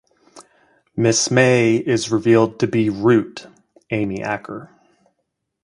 Miss May is revealed to be Root (Amy Acker).